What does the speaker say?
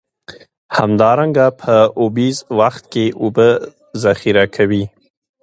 همدارنګه په اوبیز وخت کې اوبه ذخیره کوي.